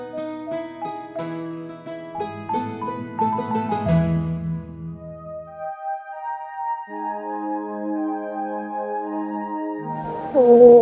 jangan berhenti doain ibunya nak